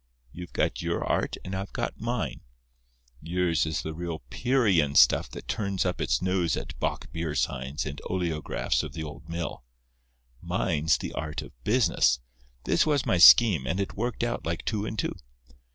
You've got your art and I've got mine. Yours is the real Pierian stuff that turns up its nose at bock beer signs and oleographs of the Old Mill. Mine's the art of Business. This was my scheme, and it worked out like two and two.